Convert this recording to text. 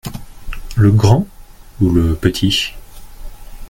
Le grand ou le petit ?